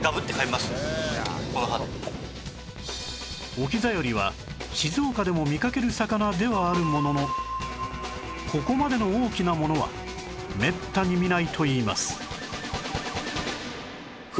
オキザヨリは静岡でも見かける魚ではあるもののここまでの大きなものはめったに見ないといいます